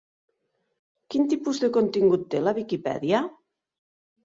Quin tipus de contingut té la Viquipèdia?